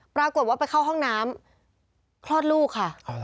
ปรากฏว่าไปเข้าห้องน้ำคลอดลูกค่ะ